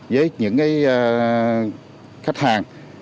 với những khách hàng